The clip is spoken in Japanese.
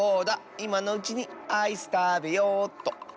いまのうちにアイスたべようっと。